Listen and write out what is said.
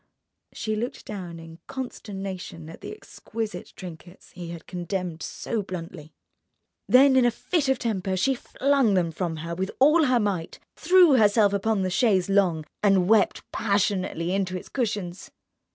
_" She looked down in consternation at the exquisite trinkets he had condemned so bluntly. Then in a fit of temper she flung them from her with all her might, threw herself upon the chaise longue, and wept passionately into its cushions.